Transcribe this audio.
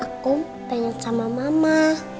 aku pengen sama mama